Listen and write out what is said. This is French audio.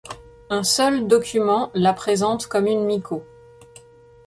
Un seul document la présente comme une miko.